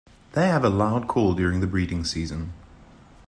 They have a loud call during the breeding season.